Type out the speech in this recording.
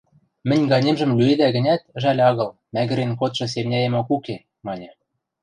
Мӹнь ганемжӹм лӱэдӓ гӹнят, жӓл агыл, мӓгӹрен кодшы семняэмок уке! – маньы.